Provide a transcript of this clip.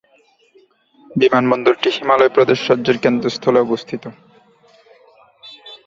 বিমানবন্দরটি হিমাচল প্রদেশ রাজ্যের কেন্দ্রস্থলে অবস্থিত।